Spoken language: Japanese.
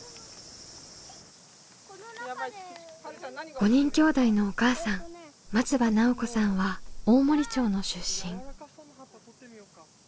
５人きょうだいのお母さん松場奈緒子さんは大森町の出身。